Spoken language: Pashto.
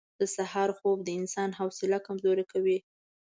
• د سهار خوب د انسان حوصله کمزورې کوي.